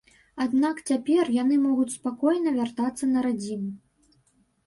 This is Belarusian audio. Аднак цяпер яны могуць спакойна вяртацца на радзіму.